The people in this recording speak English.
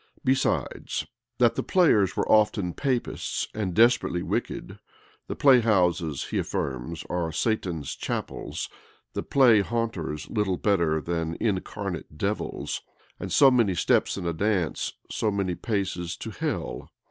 Besides, that the players were often Papists, and desperately wicked; the play houses, he affirms, are Satan's chapels; the play haunters little better than incarnate devils; and so many steps in a dance, so many paces to hell.